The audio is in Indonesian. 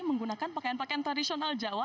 menggunakan pakaian pakaian tradisional jawa